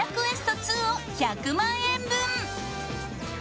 ２を１００万円分！